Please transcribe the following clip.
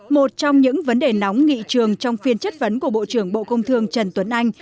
một trong những vấn đề nóng nghị trường trong phiên chất vấn của bộ trưởng bộ công thương trần tuấn anh